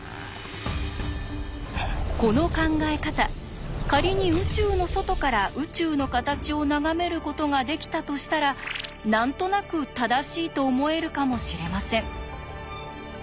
この考え方仮に宇宙の外から宇宙の形を眺めることができたとしたら何となく正しいと思えるかもしれません。